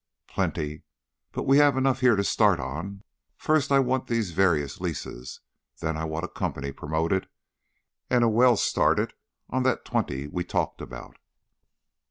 "Plenty. But we have enough here to start on. First, I want these various leases, then I want a company promoted and a well started on that twenty we talked about."